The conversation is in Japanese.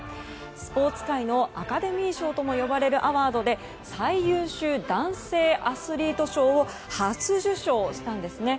スポーツ界のアカデミー賞ともいわれるアワードで最優秀男性アスリート賞を初受賞したんですね。